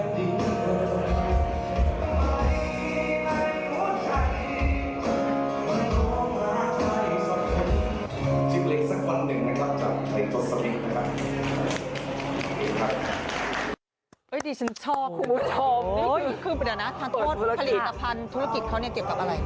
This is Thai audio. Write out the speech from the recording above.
ดิฉันชอบคุณผู้ชมนี่คือเดี๋ยวนะทานโทษผลิตภัณฑ์ธุรกิจเขาเนี่ยเกี่ยวกับอะไร